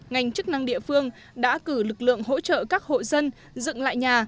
ngành chức năng địa phương đã cử lực lượng hỗ trợ các hộ dân dựng lại nhà